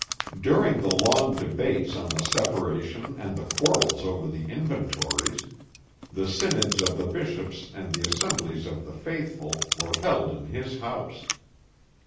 During the long debates on the Separation and the quarrels over the Inventories, the synods of the bishops and the assemblies of the faithful were held in his house.